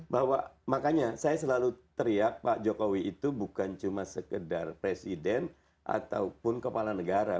bahwa makanya saya selalu teriak pak jokowi itu bukan cuma sekedar presiden ataupun kepala negara